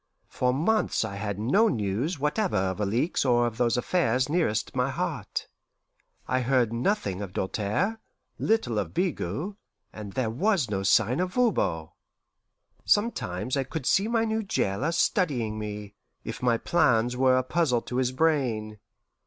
For months I had no news whatever of Alixe or of those affairs nearest my heart. I heard nothing of Doltaire, little of Bigot, and there was no sign of Voban. Sometimes I could see my new jailer studying me, if my plans were a puzzle to his brain.